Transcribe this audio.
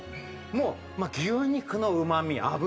もう牛肉のうまみ脂